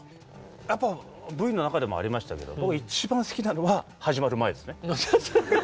やっぱＶの中でもありましたけど僕一番好きなのは始まる前ですね。